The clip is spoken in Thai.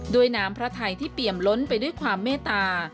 ด้วยน้ำพระไทยที่เปี่ยมล้นไปด้วยความเมตตา